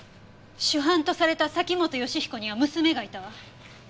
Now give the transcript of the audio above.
主犯とされた崎本善彦には娘がいたわ。